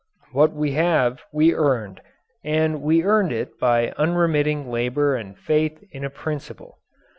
What we have, we earned, and we earned it by unremitting labour and faith in a principle.